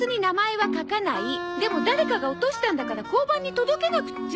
でも誰かが落としたんだから交番に届けなくっちゃ。